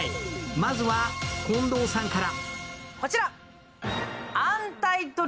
まずは、近藤さんから。